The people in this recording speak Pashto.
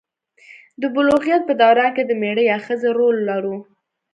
د بلوغیت په دوران کې د میړه یا ښځې رول لرو.